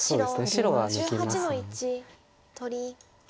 白は抜きます。